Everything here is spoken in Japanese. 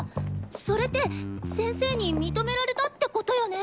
それって先生に認められたってことよね？